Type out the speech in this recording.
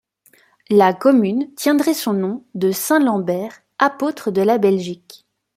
La commune tiendrait son nom de saint Lambert, apôtre de la Belgique.